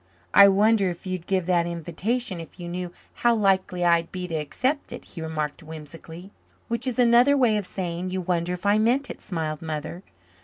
"I wonder if you'd give that invitation if you knew how likely I'd be to accept it," he remarked whimsically. "Which is another way of saying you wonder if I meant it," smiled Mother.